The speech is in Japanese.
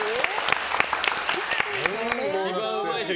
一番うまいでしょ。